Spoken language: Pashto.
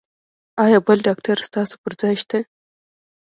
ایا بل ډاکټر ستاسو پر ځای شته؟